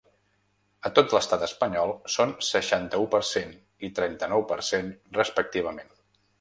A tot l’estat espanyol, són seixanta-u per cent i trenta-nou per cent, respectivament.